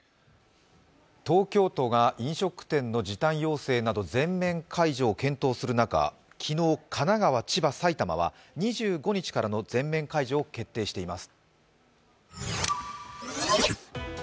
東京都が飲食店の時短要請などの全面解除を検討する中、昨日、神奈川、千葉、埼玉は２５日からの全面解除を決定しています。